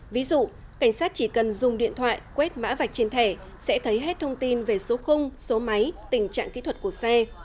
ví dụ cảnh sát chỉ cần dùng điện thoại quét mã vạch trên thẻ sẽ thấy hết thông tin về số khung số máy tình trạng kỹ thuật của xe